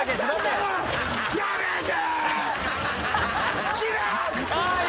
やめて！